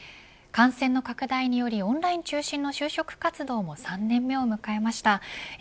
感染の拡大によりオンライン中心の就職活動も３年目を迎えました。